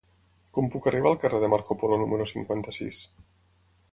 Com puc arribar al carrer de Marco Polo número cinquanta-sis?